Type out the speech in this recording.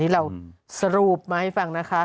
เราสรุปมาให้ฟังนะคะ